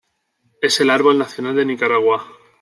Es el árbol nacional de Nicaragua.